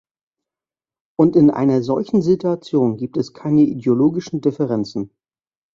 Und in einer solchen Situation gibt es keine ideologischen Differenzen.